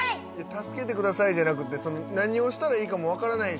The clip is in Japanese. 助けてくださいじゃなくて何をしたらいいか分からないし。